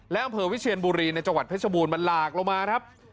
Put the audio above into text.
และอำเภอวิเชียนบุรีในจังหวัดเพชรบูรณมันหลากลงมาครับ